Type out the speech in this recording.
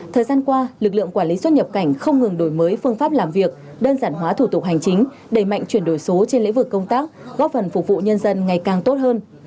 thời gian qua lực lượng quản lý xuất nhập cảnh không ngừng đổi mới phương pháp làm việc đơn giản hóa thủ tục hành chính đẩy mạnh chuyển đổi số trên lĩnh vực công tác góp phần phục vụ nhân dân ngày càng tốt hơn